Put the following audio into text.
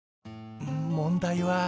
問題は。